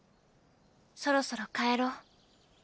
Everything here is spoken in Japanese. そろそろ帰ろう。